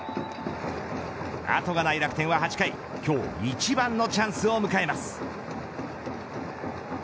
あとがない楽天は８回今日一番のチャンスを迎えます。